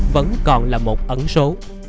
vẫn còn là một ấn số